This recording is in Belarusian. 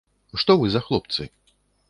Што вы за хлопцы?